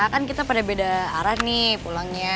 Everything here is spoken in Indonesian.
kan kita pada beda arah nih pulangnya